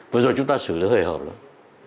vừa rồi chúng ta xử lý hơi hợp lắm